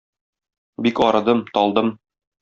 Бик арыдым, талдым.